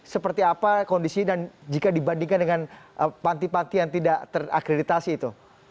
seperti apa kondisi dan jika dibandingkan dengan panti panti yang tidak terakreditasi itu